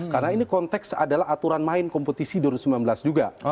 karena ini konteks adalah aturan main kompetisi dua ribu sembilan belas juga